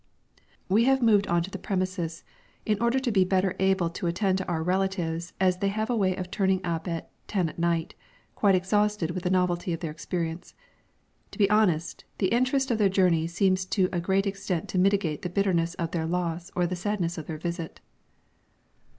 We have moved on to the premises in order to be better able to attend to our "relatives," as they have a way of turning up at ten at night, quite exhausted with the novelty of their experience. To be honest, the interest of their journey seems to a great extent to mitigate the bitterness of their loss or the sadness of their visit.